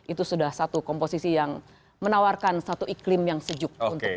itu sudah satu komposisi yang menawarkan satu iklim yang sejuk